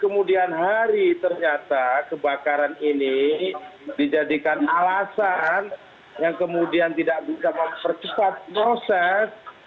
kemudian hari ternyata kebakaran ini dijadikan alasan yang kemudian tidak bisa mempercepat proses